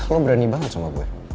lo berani banget sama gue